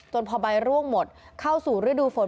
พอใบร่วงหมดเข้าสู่ฤดูฝน